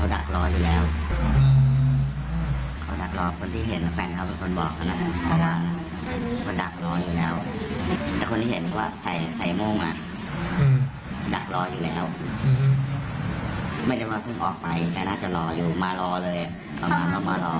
ดัดรออยู่แล้วไม่ได้ว่าคงออกไปแต่น่าจะรออยู่มารอเลย